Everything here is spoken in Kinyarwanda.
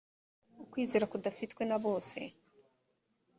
ukwizera kudafitwe na bose